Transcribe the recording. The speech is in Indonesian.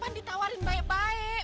ban ditawarin baik baik